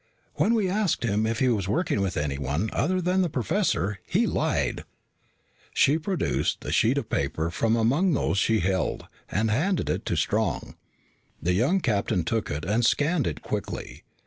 "When we asked him if he was working with anyone other than the professor, he lied." She produced a sheet of paper from among those she held and handed it to Strong. The young captain took it and scanned it quickly.